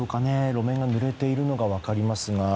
路面がぬれているのが分かります。